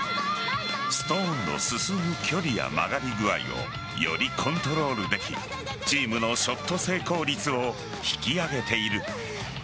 ストーンの進む距離や曲がり具合をよりコントロールできチームのショット成功率を引き上げている。